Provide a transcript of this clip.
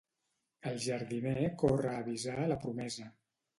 El jardiner corre a avisar la promesa.